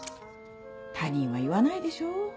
他人は言わないでしょ。